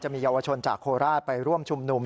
มีเยาวชนจากโคราชไปร่วมชุมนุม